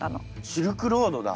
シルクロードだ。